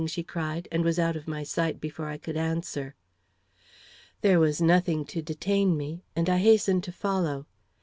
she cried, and was out of my sight before I could answer. There was nothing to detain me, and I hastened to follow.